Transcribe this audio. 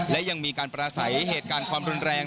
และยังมีการประสัยเหตุการณ์ความรุนแรง